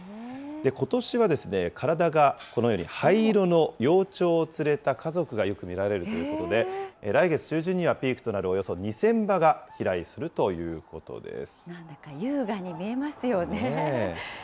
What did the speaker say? ことしは体がこのように灰色の幼鳥を連れた家族がよく見られるということで、来月中旬にはピークとなるおよそ２０００羽が飛来するということです。